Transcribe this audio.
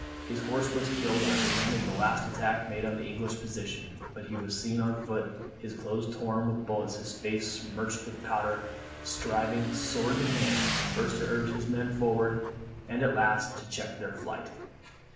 His horse was killed under him in the last attack made on the English position; but he was seen on foot, his clothes torn with bullets, his face smirched with powder, striving, sword in hand, first to urge his men forward, and at last to check their flight.